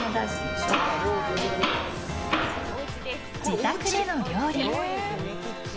自宅での料理。